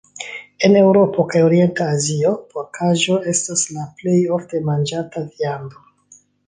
En Eŭropo kaj Orient-Azio porkaĵo estas la plej ofte manĝata viando.